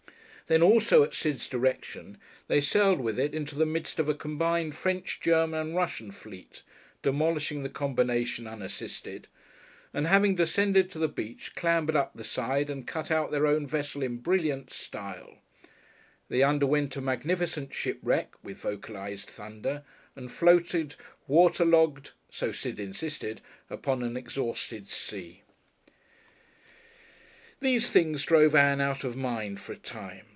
Then, also at Sid's direction, they sailed with it into the midst of a combined French, German and Russian fleet, demolishing the combination unassisted, and having descended to the beach, clambered up the side and cut out their own vessel in brilliant style, they underwent a magnificent shipwreck (with vocalised thunder) and floated "waterlogged" so Sid insisted upon an exhausted sea. These things drove Ann out of mind for a time.